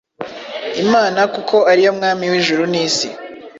Imana kuko ari yo Mwami w’ijuru n’isi,